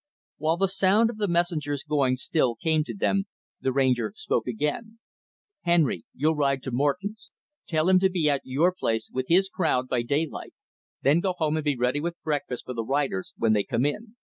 While the sound of the messenger's going still came to them, the Ranger spoke again. "Henry, you'll ride to Morton's. Tell him to be at your place, with his crowd, by daylight. Then go home and be ready with breakfast for the riders when they come in.